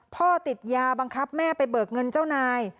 พ่อติดยาบังคับแม่ไปเบิกเงินเจ้านาย